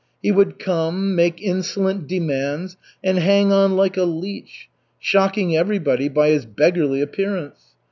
He would come, make insolent demands, and hang on like a leech, shocking everybody by his beggarly appearance.